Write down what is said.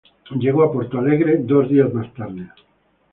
Llegó a Porto Alegre dos días más tarde.